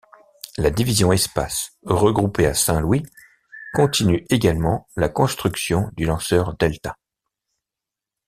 La division Espace, regroupée à St Louis, continue également la construction du lanceur Delta.